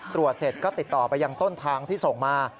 ตรวจเสร็จก็ติดต่อไปยังต้นทางที่ส่งมา